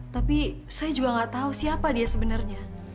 tapi saya juga gak tahu siapa dia sebenarnya